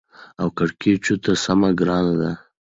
او کېړکیچو ته سمه ګرانه ده.